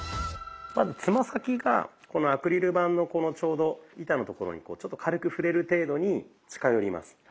まずつま先がこのアクリル板のちょうど板のところにちょっと軽く触れる程度に近寄ります。